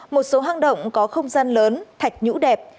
một số hang động có không gian lớn thạch nhũ đẹp